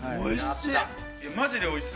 ◆おいしい。